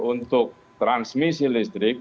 untuk transmisi listrik